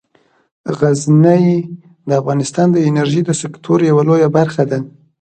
غزني د افغانستان د انرژۍ د سکتور یوه لویه برخه ده.